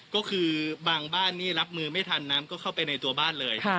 ก็คือบางบ้านนี่รับมือไม่ทันน้ำก็เข้าไปในตัวบ้านเลย